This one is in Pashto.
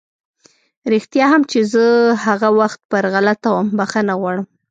رښتيا هم چې زه هغه وخت پر غلطه وم، بښنه غواړم!